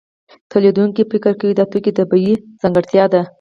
تولیدونکی فکر کوي دا د توکو طبیعي ځانګړتیا ده